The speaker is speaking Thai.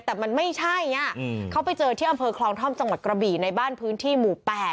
แต่มันไม่ใช่เขาไปเจอที่อำเภอคลองท่อมจังหวัดกระบี่ในบ้านพื้นที่หมู่๘